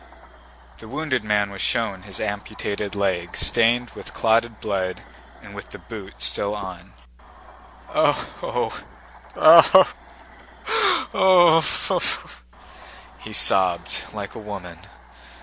The wounded man was shown his amputated leg stained with clotted blood and with the boot still on. "Oh! Oh, ooh!" he sobbed, like a woman.